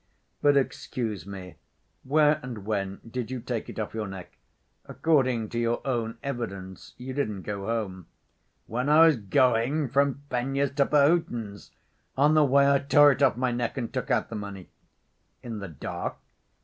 "But excuse me: where and when did you take it off your neck? According to your own evidence you didn't go home." "When I was going from Fenya's to Perhotin's, on the way I tore it off my neck and took out the money." "In the dark?"